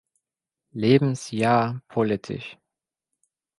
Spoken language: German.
Lebensjahr politisch.